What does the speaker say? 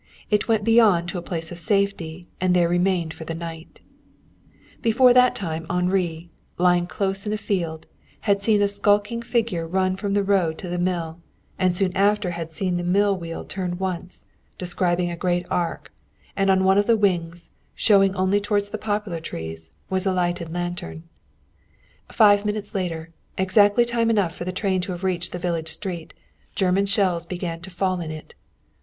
It went beyond to a place of safety, and there remained for the night. But before that time Henri, lying close in a field, had seen a skulking figure run from the road to the mill, and soon after had seen the mill wheel turn once, describing a great arc; and on one of the wings, showing only toward the poplar trees, was a lighted lantern. Five minutes later, exactly time enough for the train to have reached the village street, German shells began to fall in it.